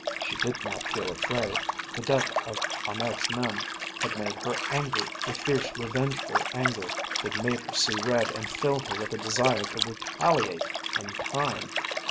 She did not feel afraid, the death of Ahmed's men had made her angry, a fierce revengeful anger that made her see red and filled her with a desire to retaliate in kind.